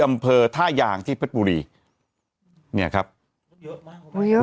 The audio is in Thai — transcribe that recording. อำเภอท่ายางที่เพชรบุรีเนี่ยครับเยอะมาก